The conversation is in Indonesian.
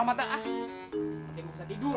hati ritualsnya tidur